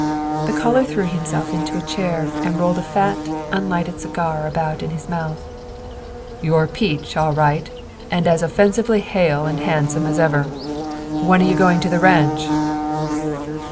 The caller threw himself into a chair and rolled a fat, unlighted cigar about in his mouth. "You're a peach, all right, and as offensively hale and handsome as ever. When are you going to the ranch?"